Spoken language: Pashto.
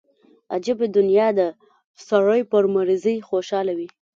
عجبه دنيا ده سړى پر مريضۍ خوشاله وي.